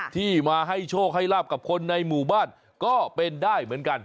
ที่มาให้โชคให้ลาบกับคนในหมู่บ้านก็เป็นได้เหมือนกัน